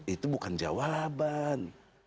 itu bukan jawaban